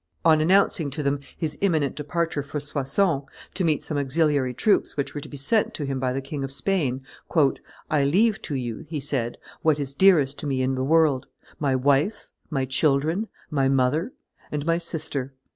On announcing to them his imminent departure for Soissons, to meet some auxiliary troops which were to be sent to him by the King of Spain, "I leave to you," he said, "what is dearest to me in the world my wife, my children, my mother, and my sister."